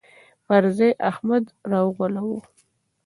پر ځاى احمد راغلهووايو